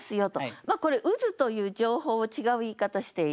まあこれ渦という情報を違う言い方している。